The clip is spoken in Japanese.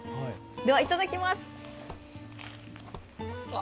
では、いただきます。